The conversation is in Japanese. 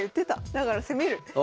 だから攻める。